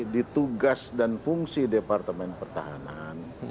di tugas dan fungsi departemen pertahanan